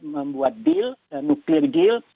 membuat deal nuklir deal